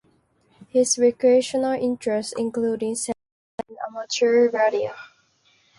His recreational interests include sailing and amateur radio.